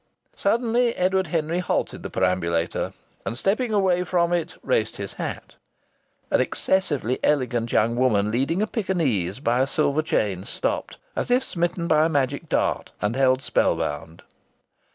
Suddenly Edward Henry halted the perambulator, and, stepping away from it, raised his hat. An excessively elegant young woman leading a Pekinese by a silver chain stopped as if smitten by a magic dart and held spellbound.